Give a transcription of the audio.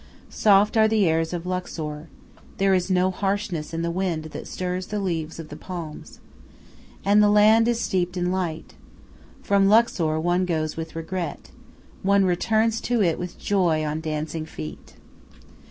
Soft are the airs of Luxor; there is no harshness in the wind that stirs the leaves of the palms. And the land is steeped in light. From Luxor one goes with regret. One returns to it with joy on dancing feet.